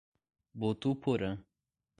Botuporã